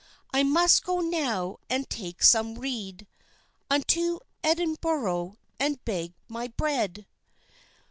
I must go now and take some read Unto Edenborrow and beg my bread."